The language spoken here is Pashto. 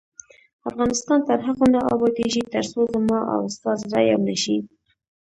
افغانستان تر هغو نه ابادیږي، ترڅو زما او ستا زړه یو نشي.